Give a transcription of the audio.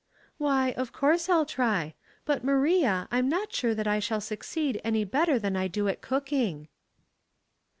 " Why, of course I'll try ; but, Maria, I'm not sure that I shall succeed any better than I do at cooking."